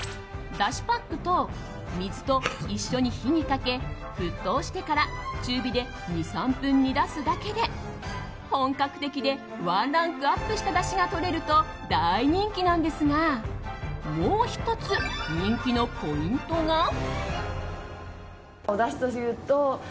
だしパックを水と一緒に火にかけ沸騰してから中火で２３分煮出すだけで本格的でワンランクアップしただしがとれると大人気なんですがもう１つ、人気のポイントが。